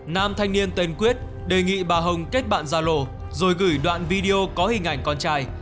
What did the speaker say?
nam thanh niên tên quyết đề nghị bà hồng kết bạn gia lô rồi gửi đoạn video có hình ảnh con trai